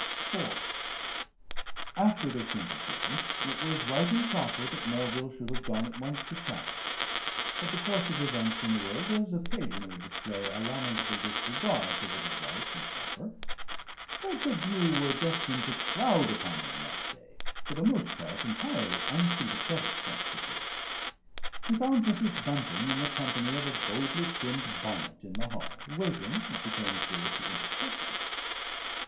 IV After this interview it was right and proper that Melville should have gone at once to Chatteris, but the course of events in the world does occasionally display a lamentable disregard for what is right and proper. Points of view were destined to crowd upon him that day for the most part entirely unsympathetic points of view. He found Mrs. Bunting in the company of a boldly trimmed bonnet in the hall, waiting, it became clear, to intercept him.